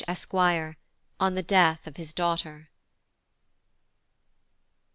Esq; on the Death of his Daughter.